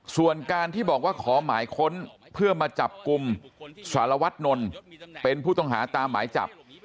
ส่วนการที่บอกว่าขอหมายค้นเพื่อมาจับกลุ่มสารวัตนนท์เป็นผู้ต้องหาตามหมายจับ